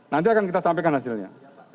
nanti akan kita sampaikan hasilnya